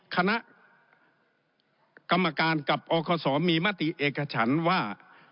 คณะกรรมการกับออกสอมีมาตรีเอกฉันว่า